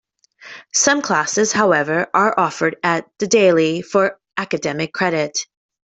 Some classes, however, are offered at The Daily for academic credit.